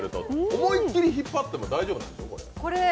思いっきり引っ張っても大丈夫なんですか？